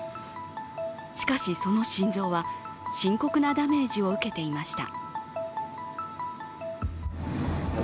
しかし、その心臓は深刻なダメージを受けていました。